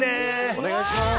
お願いします！